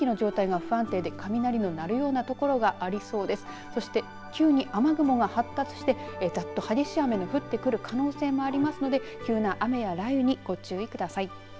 そして、急に雨雲が発達してざっと激しい雨の降ってくる可能性もありますので急な雨や雷雨にご注意ください。